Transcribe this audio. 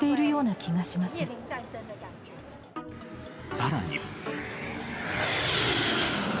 更に。